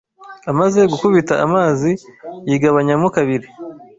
Amaze gukubita amazi, yigabanyamo kabiri